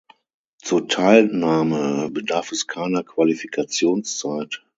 Zur Teilnahme bedarf es keiner Qualifikationszeit.